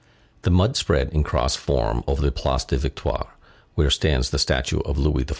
The mud spread in cross form over the Place des Victoires, where stands the statue of Louis XIV.